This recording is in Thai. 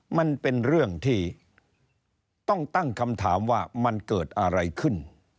มันเป็นเรื่องที่ต้องตั้งคำถามว่ามันเกิดอะไรขึ้น